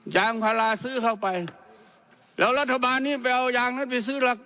ยางพาราซื้อเข้าไปแล้วรัฐบาลนี้ไปเอายางนั้นไปซื้อหลัก